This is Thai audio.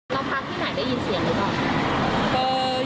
แล้วพักที่ไหนได้ยินเสียงหรือเปล่า